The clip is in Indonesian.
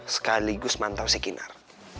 sekaligus mantau si kinar